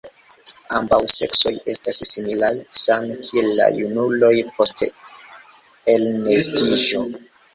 Ambaŭ seksoj estas similaj, same kiel la junuloj post elnestiĝo.